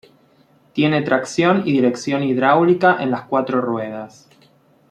Tiene tracción y dirección hidráulica en las cuatro ruedas.